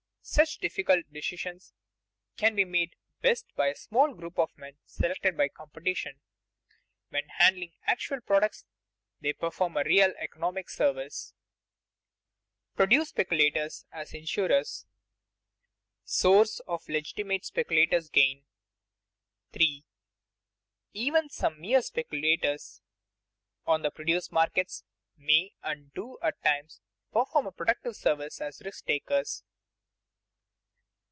Such difficult decisions can be made best by a small group of men selected by competition. When handling actual products they perform a real economic service. [Sidenote: Produce speculators as insurers] [Sidenote: Source of legitimate speculators' gain] 3. _Even some mere speculators on the produce markets may and do at times perform a productive service as risk takers.